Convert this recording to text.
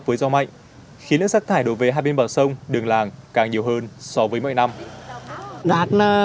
với mỗi kg ni lông có giá từ hai mươi đồng đến ba mươi đồng